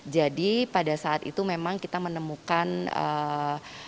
jadi pada saat itu memang kita menemukan makanan yang tidak memenuhi syarat